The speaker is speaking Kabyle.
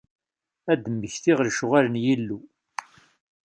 Ad d-mmektiɣ lecɣwal n Yillu.